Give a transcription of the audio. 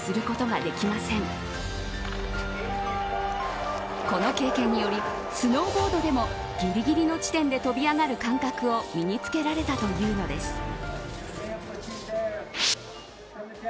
この経験によりスノーボードでもギリギリの地点でとび上がる感覚を身に付けられたというのです。